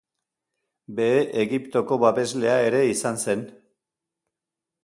Behe Egiptoko babeslea ere izan zen.